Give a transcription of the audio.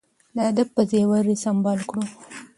د ادب په زیور یې سمبال کړو.